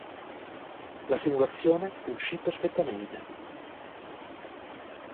La simulazione riuscì perfettamente.